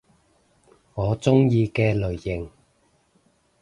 我鍾意嘅類型